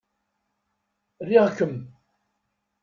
Riɣ-kem!